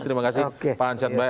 terima kasih pak arshad bay